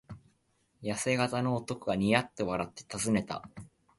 やせ型の男がニヤッと笑ってたずねた。